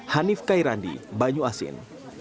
hanif kairandi banyu asin